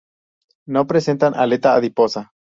No presentan aleta adiposa.